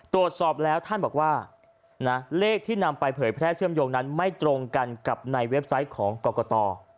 ตรวจสอบแล้วท่านบอกว่าเลขที่นำไปเผยแพร่เชื่อมโยงนั้นไม่ตรงกันกับในเว็บไซต์ของกรกต